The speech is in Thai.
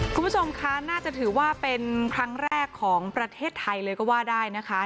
คุณผู้ชมคะน่าจะถือว่าเป็นครั้งแรกของประเทศไทยเลยก็ว่าได้นะคะ